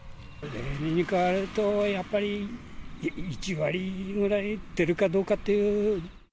例年に比べるとやっぱり、１割ぐらい出るかどうかっていう。